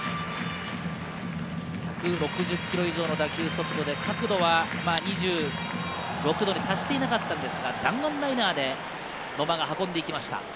１６０キロ以上の打球速度で、角度は２６度に達していなかったんですが、弾丸ライナーで野間が運んでいきました。